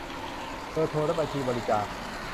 เบอร์โทรและบัญชีบริจาค